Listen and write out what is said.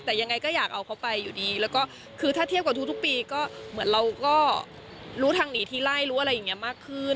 แต่ยังไงก็อยากเอาเขาไปอยู่ดีแล้วก็คือถ้าเทียบกับทุกปีก็เหมือนเราก็รู้ทางหนีทีไล่รู้อะไรอย่างนี้มากขึ้น